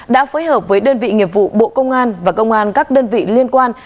đã phối hợp với đơn vị nghiệp vụ bộ công an và công an các đơn vị liên quan